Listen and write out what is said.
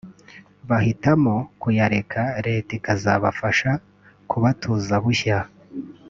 bahitamo kuyareka Leta ikazabafasha kubatuza bushya